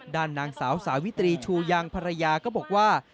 ด้านนางสาวสาวิตรีชูยางภรรยาก็บอกว่า